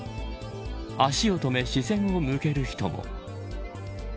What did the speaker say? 足を止め、視線を向ける人も。